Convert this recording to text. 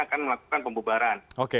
akan melakukan pembubaran